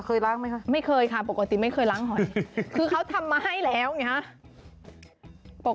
ล้างไหมคะไม่เคยค่ะปกติไม่เคยล้างหอยคือเขาทำมาให้แล้วไงฮะ